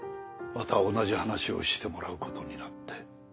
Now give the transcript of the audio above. また同じ話をしてもらうことになって。